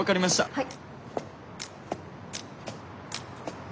はい。